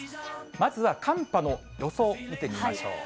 まずは寒波の予想、見てみましょう。